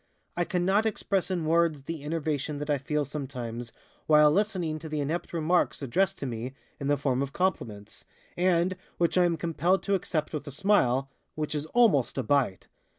I cannot express in words the enervation that I feel sometimes while listening to the inept remarks addressed to me in the form of compliments, and which I am compelled to accept with a smile, which is almost a bite.